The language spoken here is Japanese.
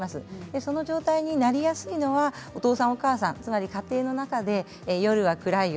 その状態になりやすいのはお父さん、お母さん、家庭の中で夜は暗いよ